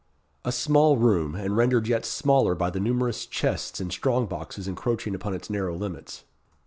A small room, and rendered yet smaller by the numerous chests and strong boxes encroaching upon its narrow limits.